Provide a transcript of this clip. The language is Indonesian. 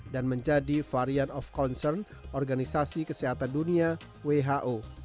dan menjadi varian of concern organisasi kesehatan dunia who